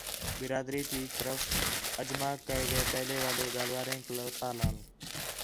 برادری تی طرف آ جمع کَئے ڳئے پہلے والے ڳالھ وارینک وَتا لال